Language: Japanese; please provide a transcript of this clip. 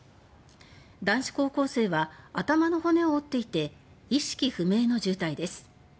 男子高校生は頭の骨を折っていて意識不明の重体です。